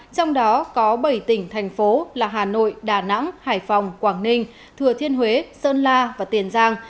trong đó có bảy tỉnh thành phố là hà nội đà nẵng hải phòng quảng ninh thừa thiên huế sơn la và tiền giang